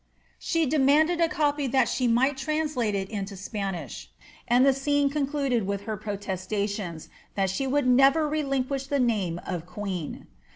She demanded a copy that she might translate it into Spanish ; and the scene concluded with her protestations, that she woold ^ never relinquish the name of queen."